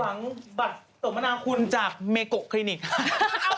หวังบัตรตกมะนาวคุณจากเมโกะคลินิก